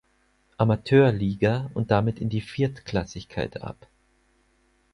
Amateurliga und damit in die Viertklassigkeit ab.